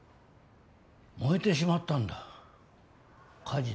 燃えてしまったんだ火事で。